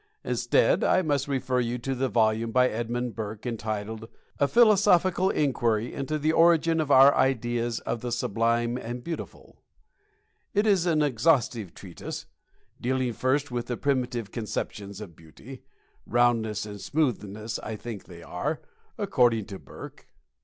Instead, I must refer you to the volume by Edmund Burke entitled: A Philosophical Inquiry into the Origin of Our Ideas of the Sublime and Beautiful. It is an exhaustive treatise, dealing first with the primitive conceptions of beauty roundness and smoothness, I think they are, according to Burke.